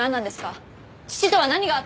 父とは何があったんですか！？